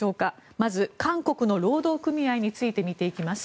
まず韓国の労働組合について見ていきます。